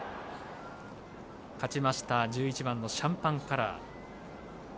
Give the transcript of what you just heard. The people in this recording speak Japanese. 勝ちました１１番シャンパンカラー。